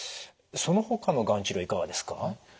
そのほかのがん治療いかがですか？